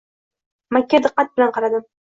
Makka diqqat bilan qaradim